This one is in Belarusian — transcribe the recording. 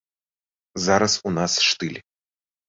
Зараз у нас штыль.